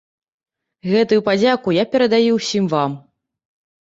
Гэтую падзяку я перадаю ўсім вам.